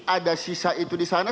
ada sisa itu di sana